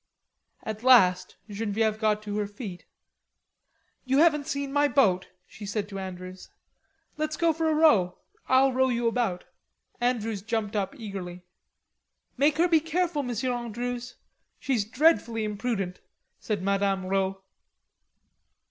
At last Genevieve got to her feet. "You haven't seen my boat," she said to Andrews. "Let's go for a row. I'll row you about." Andrews jumped up eagerly. "Make her be careful, Monsieur Andrews, she's dreadfully imprudent,'" said Madame Rod.